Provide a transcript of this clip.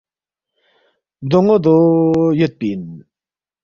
”بدون٘و دو یودپی اِن